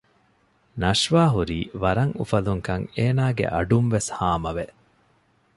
ނަޝްވާ ހުރީ ވަރަށް އުފަލުންކަން އޭނާގެ އަޑުންވެސް ހާމަވެ